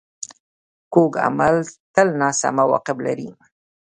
کوږ عمل تل ناسم عواقب لري